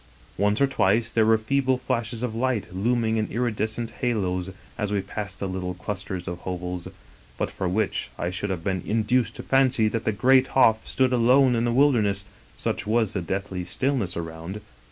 Once or twice there were feeble flashes of light looming in iridescent halos as we passed little clusters of hovels, but for which I should have been induced to fancy that the great Hof stood alone in the wilderness, such was the deathly stillness around.